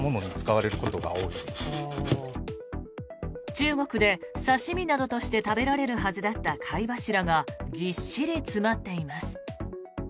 中国で刺し身などとして食べられるはずだった貝柱がぎっしり詰まっています。